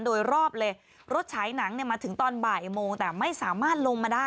โดยรอบเลยรถฉายหนังเนี่ยมาถึงตอนบ่ายโมงแต่ไม่สามารถลงมาได้